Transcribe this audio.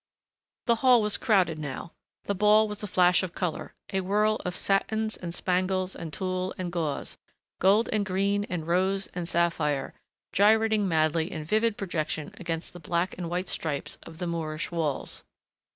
The hall was crowded now; the ball was a flash of color, a whirl of satins and spangles and tulle and gauze, gold and green and rose and sapphire, gyrating madly in vivid projection against the black and white stripes of the Moorish walls.